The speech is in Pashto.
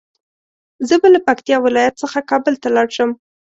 زه به له پکتيا ولايت څخه کابل ته لاړ شم